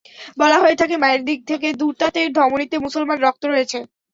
বলা হয়ে থাকে, মায়ের দিক থেকে দুতার্তের ধমনিতে মুসলমান রক্ত রয়েছে।